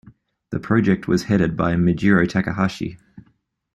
The project was headed by Mijiro Takahashi.